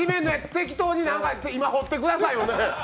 適当に今掘ってくださいよ。